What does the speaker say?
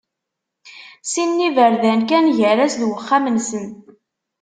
Sin n yiberdan kan gar-as d uxxam-nsen.